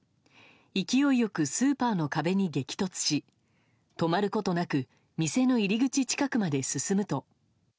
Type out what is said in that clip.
勢いよくスーパーの壁に激突し、止まることなく店の入り口近くまで進むと。